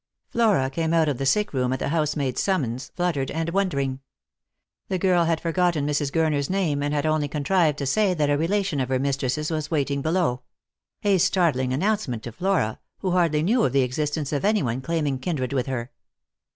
Flora came out of the sick room at the housemaid's summons, fluttered and wondering. The girl had forgotten Mrs. Gurner's name, and had only contrived to say that a relation of her mistress's was waiting below; a startling announcement to Flora, who hardly knew of the existence of any one claiming kindred with her.